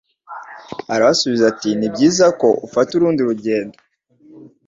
Arabasubiza ati Ni byiza ko ufata urundi rugendo